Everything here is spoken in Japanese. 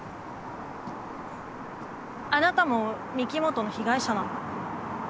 あなたも御木本の被害者なの？